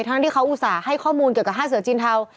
ทั้งที่เขาอุตส่าห์ให้ข้อมูลเกี่ยวกับ๕เสือจีนเทา